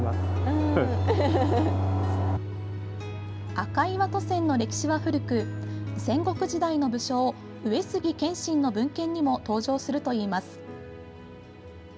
赤岩渡船の歴史は古く戦国時代の武将上杉謙信の文献にも登場するといいます。